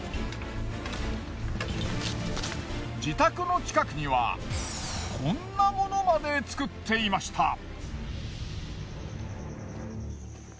自宅の近くにはこんなものまで作っていました。